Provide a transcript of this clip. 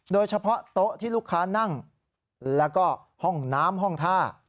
โดยเฉพาะโต๊ะที่ลูกค้านั่งแล้วก็ห้องน้ำห้องท่า